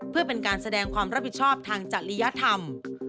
เพื่อเป็นการแสดงความรับผิดชอบทางจริยธรรม